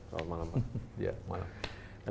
selamat malam pak